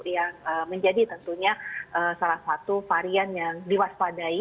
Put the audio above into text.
yang menjadi tentunya salah satu varian yang diwaspadai